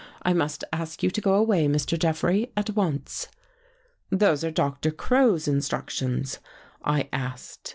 I must ask you to go away, Mr. Jeffrey, at once.' "'Those are Doctor Crow's instructions?' I asked.